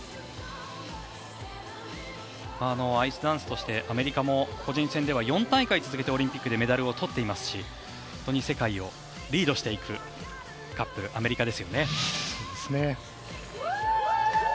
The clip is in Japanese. アイスダンスとしてアメリカも個人戦では４大会続けてオリンピックでメダルを取っていますし世界をリードしていくカップルアメリカですよね。